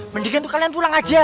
mendingan tuh kalian pulang aja